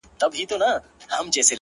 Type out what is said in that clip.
تا ولي هر څه اور ته ورکړل د یما لوري;